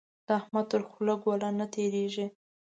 د احمد تر خوله ګوله نه تېرېږي.